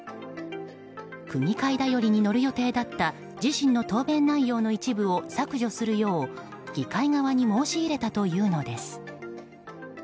区議会だよりに載る予定だった自身の答弁内容の一部を削除するよう、議会側に申し入れたというのです。